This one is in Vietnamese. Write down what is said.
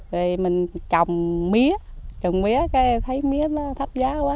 rồi mình trồng mía trồng mía cái thấy mía nó thấp giá quá